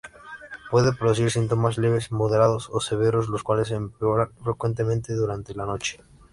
Puede producir síntomas leves, moderados o severos, los cuales empeoran frecuentemente durante la noche.